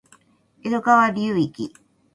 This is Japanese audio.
江戸川流域